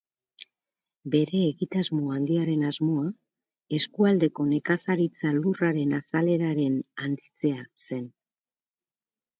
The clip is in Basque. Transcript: Bere egitasmo handiaren asmoa, eskualdeko nekazaritza lurraren azaleraren handitzea zen.